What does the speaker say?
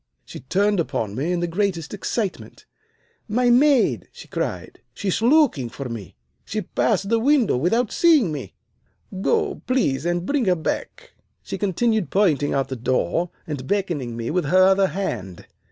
She turned upon me in the greatest excitement. 'My maid!' she cried. 'She is looking for me. She passed the window without seeing me. Go, please, and bring her back.' She continued pointing out of the door and beckoning me with her other hand.